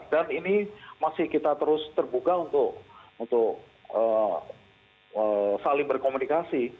dan ini masih kita terus terbuka untuk saling berkomunikasi